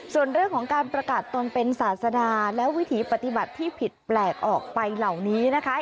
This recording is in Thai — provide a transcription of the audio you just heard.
ส่วนเรื่องของการประกาศตนเป็นศาสดาและวิถีปฏิบัติที่ผิดแปลกออกไปเหล่านี้นะคะ